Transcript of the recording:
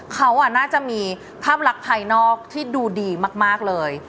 เขาน่าจะมีภาพลักษณ์ภายนอกที่ดูดีมากเลย